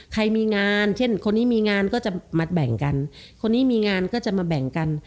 ใครมีงานเช่นคนนี้มีงานก็จะมาแบ่งกันคนนี้มีงานก็จะมาแบ่งกัน